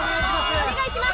お願いします